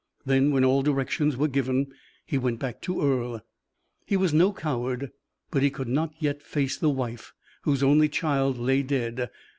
Then, when all directions were given, he went back to Earle. He was no coward, but he could not yet face the wife whose only child lay dead.